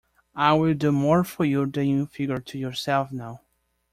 I will do more for you than you figure to yourself now.